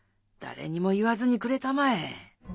だれにも言わずにくれたまえ。